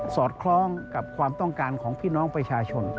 อดคล้องกับความต้องการของพี่น้องประชาชน